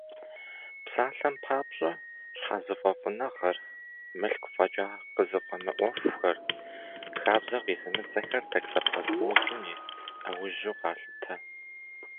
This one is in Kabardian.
Псалъэм папщӏэ, щхьэзыфӏэфӏыныгъэр, мылъку фӏэкӏа къызыфӏэмыӏуэхухэр, хабзэр къизымыдзэхэр токсоплазмозым и ӏэужьу къалъытэ.